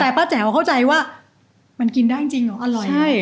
แต่ป้าแจ๋วเข้าใจว่ามันกินได้จริงเหรออร่อยใช่